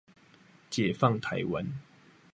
解放台灣